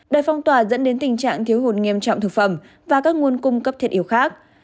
đời phong tỏa dẫn đến tình trạng thiếu hụt nghiêm trọng thực phẩm và các nguồn cung cấp thiệt yếu khác